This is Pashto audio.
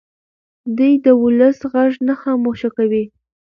دی د ولس غږ نه خاموشه کوي.